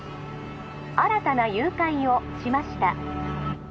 ☎新たな誘拐をしました